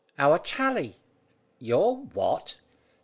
"Our Tally." "Your what?"